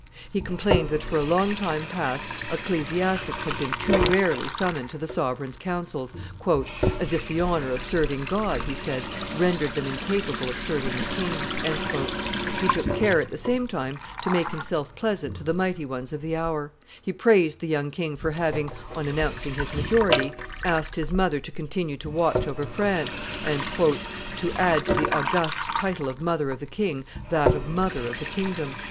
He complained that for a long time past ecclesiastics had been too rarely summoned to the sovereign's councils, "as if the honor of serving God," he said, "rendered them incapable of serving the king;" he took care at the same time to make himself pleasant to the mighty ones of the hour; he praised the young king for having, on announcing his majority, asked his mother to continue to watch over France, and "to add to the august title of mother of the king that of mother of the kingdom."